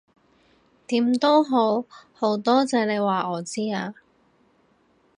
點都好，好多謝你話我知啊